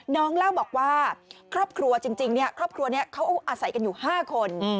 เล่าบอกว่าครอบครัวจริงครอบครัวนี้เขาอาศัยกันอยู่๕คน